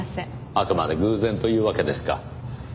あくまで偶然というわけですか。